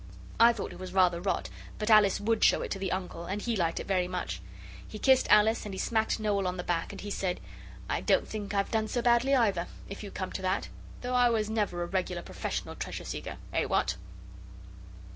I thought it was rather rot, but Alice would show it to the Uncle, and he liked it very much. He kissed Alice and he smacked Noel on the back, and he said, 'I don't think I've done so badly either, if you come to that, though I was never a regular professional treasure seeker. Eh! what?